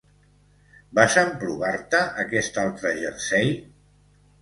Vas emprovar-te aquest altre jersei?